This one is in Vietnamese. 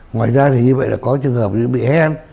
ngoài ra thì như vậy là có trường hợp bị hen